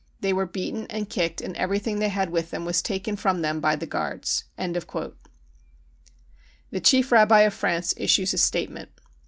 They were beaten and kicked and everything they had with them was taken from them by the guards. 55 <*•. The Chief Rabbi of France issues a Statement.